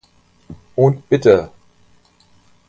Und bitte!